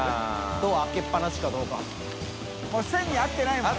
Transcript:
ドア開けっぱなしかどうか發Ⅳ合ってないもん。